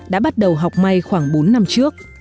đã bắt đầu học may khoảng bốn năm trước